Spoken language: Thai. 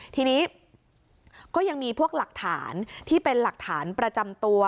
ทีนี้ก็ยังมีพวกหลักฐานที่เป็นหลักฐานประจำตัว